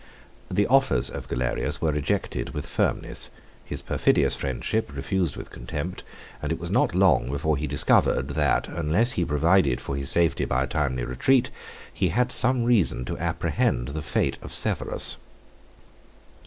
25 The offers of Galerius were rejected with firmness, his perfidious friendship refused with contempt, and it was not long before he discovered, that, unless he provided for his safety by a timely retreat, he had some reason to apprehend the fate of Severus.